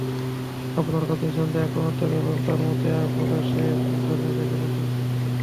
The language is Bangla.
আপনার কথা নিঃসন্দেহে আক্রমণাত্মক এবং তার মত প্রকাশের স্বাধীনতাকে প্রশ্নবিদ্ধ করে।